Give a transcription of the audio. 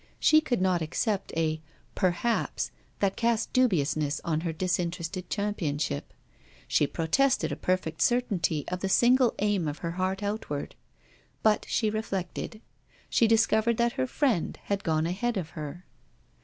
She could not accept a 'perhaps' that cast dubiousness on her disinterested championship. She protested a perfect certainty of the single aim of her heart outward. But she reflected. She discovered that her friend had gone ahead of her.